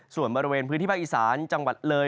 ส่วนบริเวณพื้นที่ภาคอีสานจังหวัดเลย